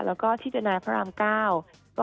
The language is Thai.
แล้วก็ที่ดินายพระราม๙